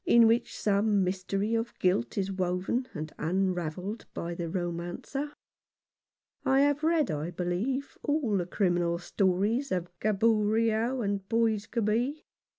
No. 29. in which some mystery of guilt is woven and un ravelled by the romancer. I have read, I believe, all the criminal stories of Gaboriau and Boisgobey.